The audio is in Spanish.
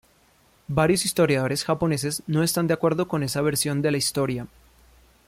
Varios historiadores japoneses no están de acuerdo con esa versión de la historia.